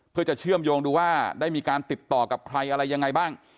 เพื่อจะเชื่อมโยงดูว่าได้มีการติดต่อกับใครอะไรยังไงบ้าง